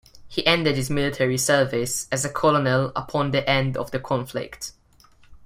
He ended his military service as a colonel upon the end of the conflict.